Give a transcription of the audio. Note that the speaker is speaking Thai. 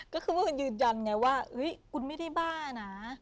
ก็คือะคุณมันยืนยันไงว่าครกรูไม่ได้บ้าหนะ